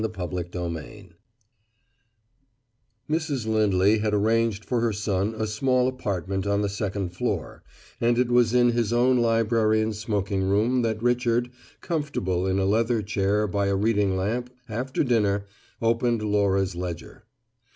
CHAPTER EIGHTEEN Mrs. Lindley had arranged for her son a small apartment on the second floor, and it was in his own library and smoking room that Richard, comfortable in a leather chair by a reading lamp, after dinner, opened Laura's ledger.